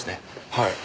はい。